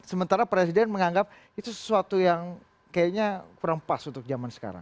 sementara presiden menganggap itu sesuatu yang kayaknya kurang pas untuk zaman sekarang